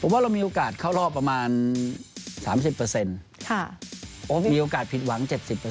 ว่าเรามีโอกาสเข้ารอบประมาณ๓๐มีโอกาสผิดหวัง๗๐